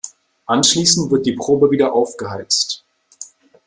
Anschließend wird die Probe wieder aufgeheizt.